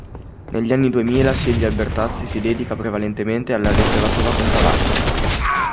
Negli anni Duemila, Silvia Albertazzi si dedica prevalentemente alla letteratura comparata.